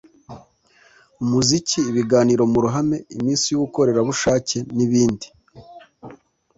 umuziki, ibiganiro mu ruhame, iminsi y'ubukorerabushake n'ibindi